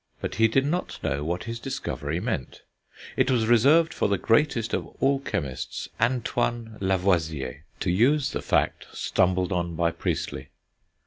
But he did not know what his discovery meant. It was reserved for the greatest of all chemists, Antoine Lavoisier, to use the fact stumbled on by Priestley.